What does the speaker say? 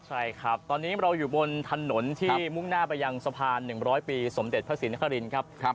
ใช่ครับตอนนี้เราอยู่บนถนนที่มุ่งหน้าไปยังสะพาน๑๐๐ปีสมเด็จพระศรีนครินครับ